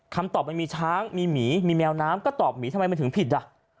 คำตอบมันมีช้างมีหมีมีแมวน้ำก็ตอบหมีทำไมมันถึงผิดอ่ะ